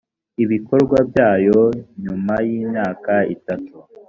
ibikorwa byayo nyuma y’imyaka itanu